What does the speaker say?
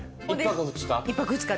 １泊２日？